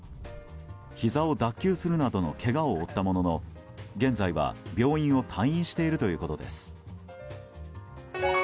ひざを脱臼するなどのけがを負ったものの現在は、病院を退院しているということです。